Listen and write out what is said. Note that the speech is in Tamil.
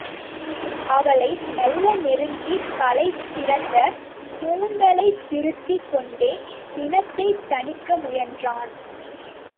அவளை மெல்ல நெருங்கிக் கலைந்திருந்த கூந்தலைத் திருத்திக் கொண்டே சினத்தைத் தணிக்க முயன்றான்.